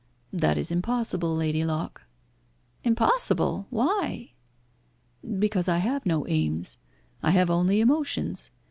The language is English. "That is impossible, Lady Locke." "Impossible! Why?" "Because I have no aims; I have only emotions.